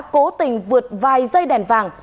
cố tình vượt vài dây đèn vàng